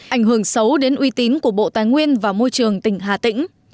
ảnh hưởng xấu đến uy tín của bộ tài nguyên và môi trường tỉnh hà tĩnh